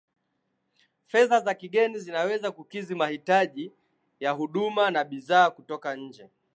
fedha za kigeni zinaweza kukidhi mahitaji ya huduma na bidhaa kutoka nje